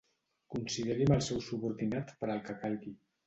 Consideri'm el seu subordinat per al que calgui.